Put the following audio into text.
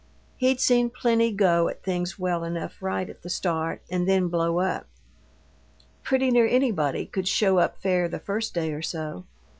He'd seen plenty go at things well enough right at the start and then blow up. Pretty near anybody could show up fair the first day or so.